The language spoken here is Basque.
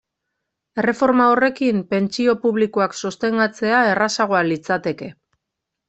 Erreforma horrekin, pentsio publikoak sostengatzea errazagoa litzateke.